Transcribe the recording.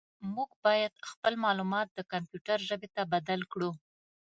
موږ باید خپل معلومات د کمپیوټر ژبې ته بدل کړو.